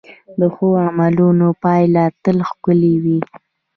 د ښو عملونو پایله تل ښکلې وي.